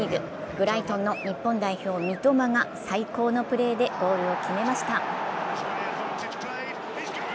ブライトンの日本代表・三笘が最高のプレーでゴールを決めました。